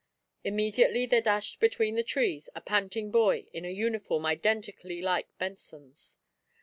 Immediately there dashed between the trees a panting boy in a uniform identically like Benson's.